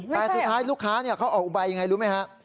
แต่สุดท้ายลูกค้าเขาออกอุบายอย่างไรรู้ไหมครับ